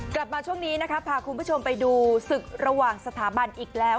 กลับมาช่วงนี้นะคะพาคุณผู้ชมไปดูศึกระหว่างสถาบันอีกแล้ว